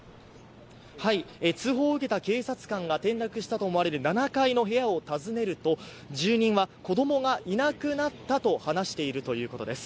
通報を受けた警察官が、転落したと思われる７階の部屋を訪ねると住人は子供がいなくなったと話しているということです。